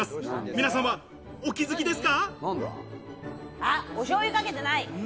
皆さんはお気づきですか？